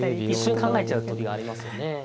一瞬考えちゃう時がありますよね。